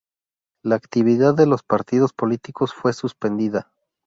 La actividad de los partidos políticos fue suspendida.